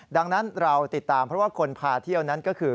ดังนั้นเราติดตามเพราะว่าคนพาเที่ยวนั้นก็คือ